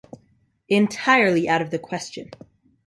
Entirely out of the question.